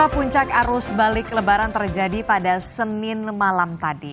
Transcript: puncak arus balik lebaran terjadi pada senin malam tadi